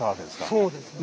そうです。